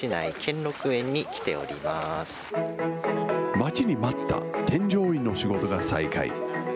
待ちに待った添乗員の仕事が再開。